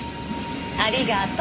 ありがとう。